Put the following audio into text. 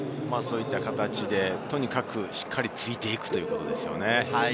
そういった形で、とにかく、しっかりついていくということですよね。